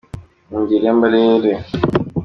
Ni ingeri y’amarere